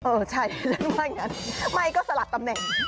เออใช่ไม่ก็สลัดตำแหน่ง